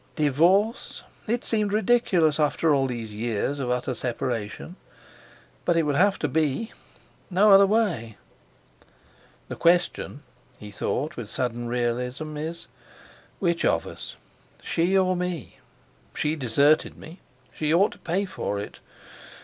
Divorce! It seemed ridiculous, after all these years of utter separation! But it would have to be. No other way! "The question," he thought with sudden realism, "is—which of us? She or me? She deserted me. She ought to pay for it.